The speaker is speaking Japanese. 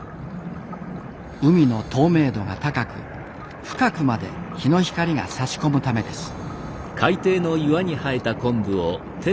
海の透明度が高く深くまで日の光がさし込むためです。